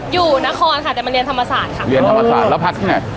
อยู่นครค่ะแต่มันเรียนธรรมศาสตร์ค่ะเรียนธรรมศาสตร์แล้วพักที่ไหน